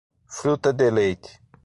Fruta de Leite